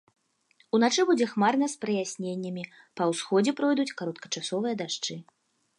Уначы будзе хмарна з праясненнямі, па ўсходзе пройдуць кароткачасовыя дажджы.